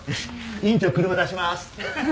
院長車出します！